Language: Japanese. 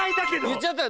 いっちゃった。